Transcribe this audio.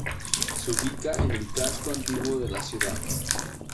Se ubica en el casco antiguo de la ciudad.